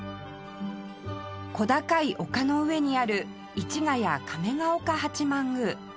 小高い丘の上にある市谷亀岡八幡宮